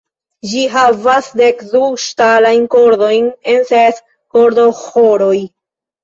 Ĝi havas dekdu ŝtalajn kordojn en ses kordoĥoroj.